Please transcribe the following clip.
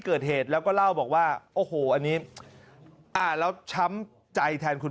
เกิดเหตุแล้วก็เล่าบอกว่าโอ้โหอันนี้อ่านแล้วช้ำใจแทนคุณ